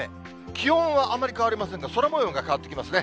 気温はあまり変わりませんが、空もようが変わってきますね。